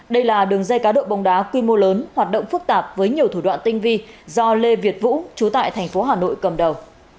đây là đường dây cá độ bóng đá quy mô lớn hoạt động phức tạp với nhiều thủ đoạn tinh vi do lê việt vũ chú tại thành phố hà nội cầm đầu